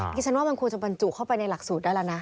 ดิฉันว่ามันควรจะบรรจุเข้าไปในหลักสูตรได้แล้วนะ